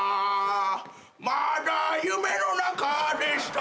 「まだ夢の中でした」